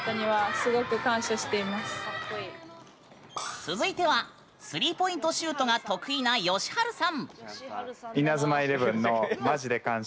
続いてはスリーポイントシュートが得意なよしはるさん。